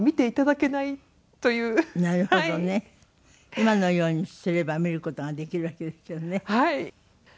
今のようにすれば見る事ができるわけですよね。